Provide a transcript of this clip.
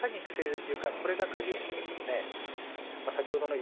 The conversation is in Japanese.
ここをいかに育成できるかこれが鍵を握るんです。